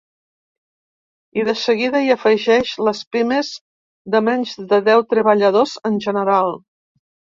I de seguida hi afegeix les pimes de menys de deu treballadors, en general.